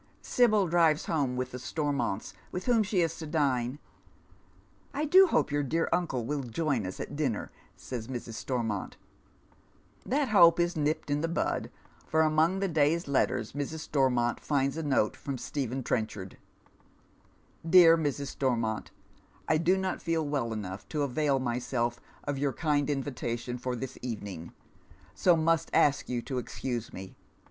Sibyl drives home with the Stormonts, with whom she is to dine. " I do hope your dear uncle will join us at dinner," says Mrs. Stormont. That hope is nipped in the bud, for among the day's letters Mrs. Stormont finds a note from Stephen Trenchard :—" Dear Mks. Stormont, "1 do not feel well enough to avail myself of your kind invitation for this evening, so must ask you to excuse me.